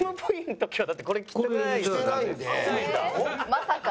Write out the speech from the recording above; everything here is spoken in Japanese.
まさか。